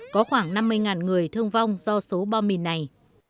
có khoảng năm mươi người thương vong do số bom mìn này